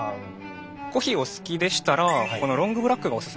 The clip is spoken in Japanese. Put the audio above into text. コーヒーお好きでしたらこのロングブラックがおすすめですよ。